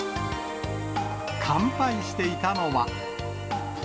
乾杯していたのは。